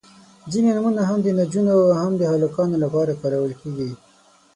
• ځینې نومونه هم د نجونو او هم د هلکانو لپاره کارول کیږي.